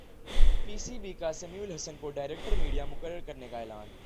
پی C B کا سمیع الحسن کو director media مقرر کرنے کا اعلان